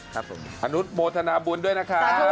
ครับผมอนุโมธนาบุญด้วยนะครับขอบคุณครับพี่